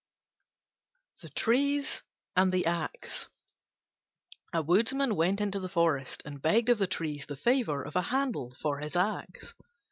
THE TREES AND THE AXE A Woodman went into the forest and begged of the Trees the favour of a handle for his Axe.